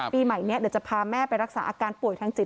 ปีใหม่นี้เดี๋ยวจะพาแม่ไปรักษาอาการป่วยทางจิต